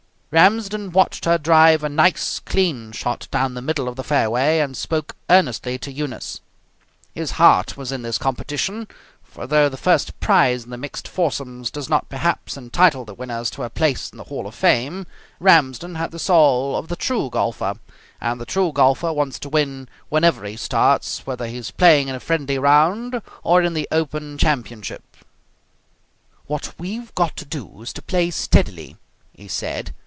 Ramsden watched her drive a nice, clean shot down the middle of the fairway, and spoke earnestly to Eunice. His heart was in this competition, for, though the first prize in the mixed foursomes does not perhaps entitle the winners to a place in the hall of fame, Ramsden had the soul of the true golfer. And the true golfer wants to win whenever he starts, whether he is playing in a friendly round or in the open championship. "What we've got to do is to play steadily," he said.